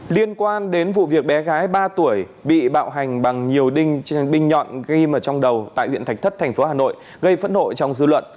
liên quan đến vụ việc bé gái ba tuổi bị bạo hành bằng nhiều đinh trang binh nhọn ghim ở trong đầu tại huyện thạch thất tp hà nội gây phẫn nộ trong dư luận